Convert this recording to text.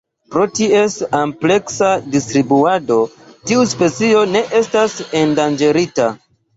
Pro ties ampleksa distribuado tiu specio ne estas endanĝerita.